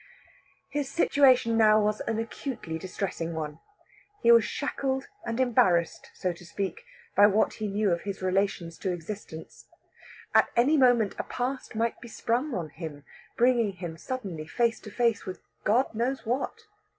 His situation was an acutely distressing one. He was shackled and embarrassed, so to speak, by what he knew of his relations to existence. At any moment a past might be sprung on him, bringing him suddenly face to face with God knows what.